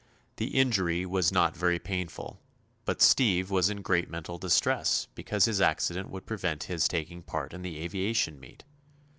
The injury was not very painful, but Steve was in great mental distress because his accident would prevent his taking part in the aviation meet.